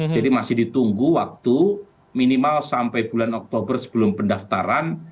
jadi masih ditunggu waktu minimal sampai bulan oktober sebelum pendaftaran